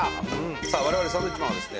さあ我々サンドウィッチマンはですね